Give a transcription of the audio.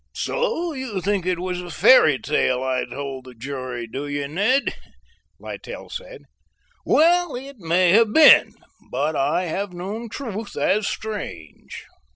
"So you think it was a fairy tale I told the jury, do you, Ned?" Littell said. "Well, it may have been, but I have known truth as strange."